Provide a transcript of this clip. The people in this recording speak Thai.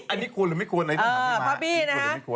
อันนี้ควรหรือไม่ควรอันนี้ต้องถามอีกมาก